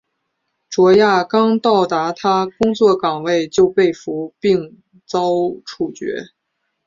卓娅刚到达她工作岗位就被俘并遭处决。